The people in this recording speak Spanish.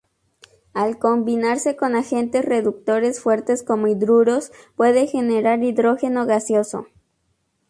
Al combinarse con agentes reductores fuertes como hidruros, puede generar hidrógeno gaseoso.